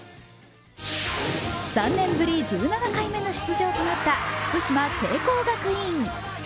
３年ぶり１７回目の出場となった福島・聖光学院。